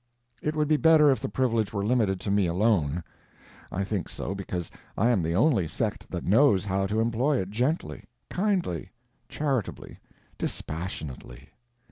It would be better if the privilege were limited to me alone. I think so because I am the only sect that knows how to employ it gently, kindly, charitably, dispassionately.